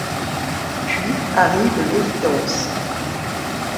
Puis arrive l’évidence.